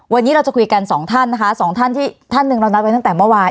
วันนี้เราจะคุยกันสองท่านนะคะสองท่านที่ท่านหนึ่งเรานัดไว้ตั้งแต่เมื่อวาน